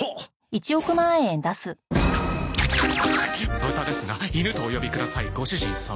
ブタですが犬とお呼びくださいご主人様。